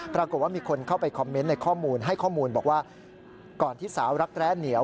ปรากฏว่ามีคนเข้าไปคอมเมนต์ในข้อมูลให้ข้อมูลบอกว่าก่อนที่สาวรักแร้เหนียว